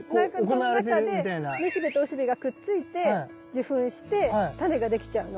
この中でめしべとおしべがくっついて受粉してタネができちゃうの。